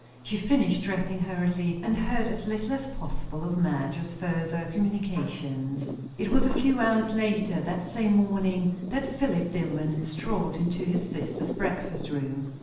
She finished dressing hurriedly, and heard as little as possible of Madge's further communications. It was a few hours later, that same morning, that Philip Dillwyn strolled into his sister's breakfast room.